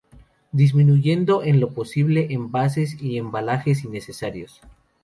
Disminuyendo en lo posible envases y embalajes innecesarios.